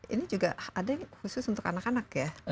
ini juga ada khusus untuk anak anak ya